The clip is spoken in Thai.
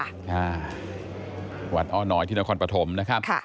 ค่ะหวัดอ้อนหน่อยที่นครปฐมนะครับค่ะ